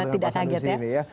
tidak kaget ya